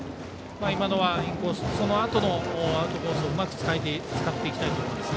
今のはインコースそのあとのアウトコースをうまく使っていきたいところです。